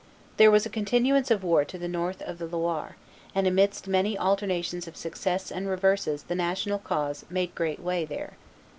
There was a continuance of war to the north of the Loire; and amidst many alternations of successes and reverses the national cause made great way there.